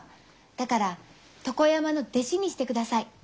だから床山の弟子にしてください。